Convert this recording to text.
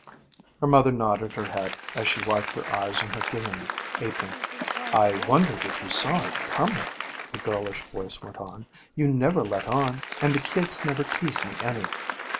Her mother nodded her head as she wiped her eyes on her gingham apron. 'I wondered if you saw it coming?' the girlish voice went on. 'You never let on, and the kids never teased me any.